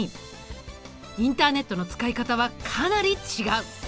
インターネットの使い方はかなり違う。